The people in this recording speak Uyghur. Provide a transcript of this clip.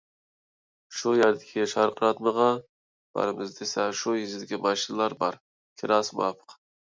شۇ يەردىكى شارقىراتمىغا بارىمىز دېسە، شۇ يېزىدا ماشىنىلار بار، كىراسى مۇۋاپىق.